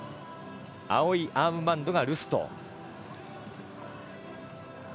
青いアームバンドがルスト。